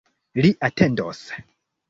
Li atendos.